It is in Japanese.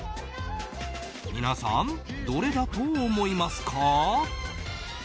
皆さん、どれだと思いますか？